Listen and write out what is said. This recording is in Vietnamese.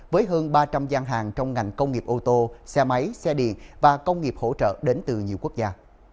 với hơn ba trăm linh gian hàng trong ngành công nghiệp ô tô xe máy xe điện và công nghiệp hỗ trợ đến từ nhiều quốc gia